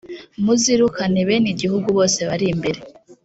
muzirukane bene igihugu bose bari imbere